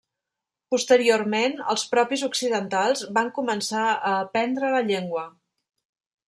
Posteriorment, els propis occidentals van començar a aprendre la llengua.